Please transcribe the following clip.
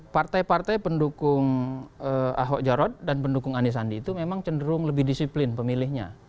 partai partai pendukung ahok jarot dan pendukung ani sandi itu memang cenderung lebih disiplin pemilihnya